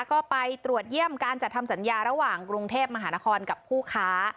ก็ไปตรวจเยี่ยมการจัดทำสัญญาระหว่างกรุงเทพมหานครกับผู้ค้า